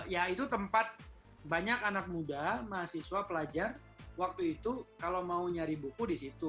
ya itu tempat banyak anak muda mahasiswa pelajar waktu itu kalau mau nyari buku di situ